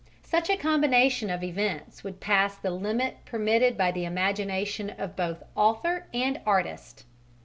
Such a combination of events would pass the limit permitted the imagination of both author and artist.